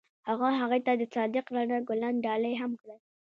هغه هغې ته د صادق رڼا ګلان ډالۍ هم کړل.